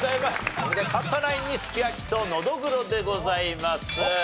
これで勝ったナインにすき焼きとのどぐろでございます。